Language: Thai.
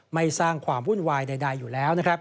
ไม่สร้างความวุ่นวายใดอยู่แล้วนะครับ